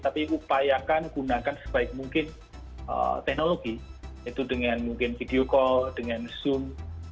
tapi upayakan gunakan sebaik mungkin teknologi itu dengan mungkin video call dengan zoom